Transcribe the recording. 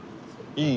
いい？